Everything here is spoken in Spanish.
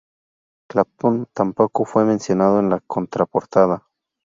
Clapton tampoco fue mencionado en la contraportada.